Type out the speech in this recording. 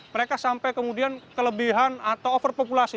mereka sampai kemudian kelebihan atau overpopulasi